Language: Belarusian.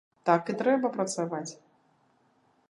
Так і трэба працаваць.